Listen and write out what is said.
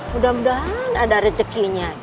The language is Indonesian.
mudah mudahan ada rezekinya